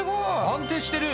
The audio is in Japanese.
安定してる！